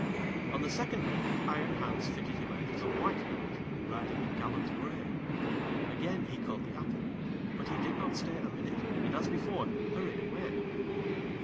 On the second day Iron Hans fitted him out as a White Knight, riding a gallant grey. Again he caught the apple; but he did not stay a minute, and, as before, hurried away.